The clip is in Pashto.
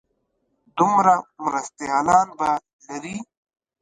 دوه مرستیالان به لري.